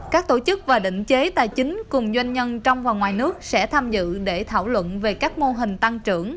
các tổ chức và định chế tài chính cùng doanh nhân trong và ngoài nước sẽ tham dự để thảo luận về các mô hình tăng trưởng